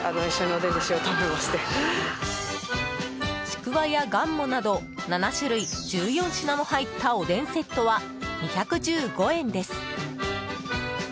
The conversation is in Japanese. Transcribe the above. ちくわやがんもなど７種類１４品も入ったおでんセットは、２１５円です。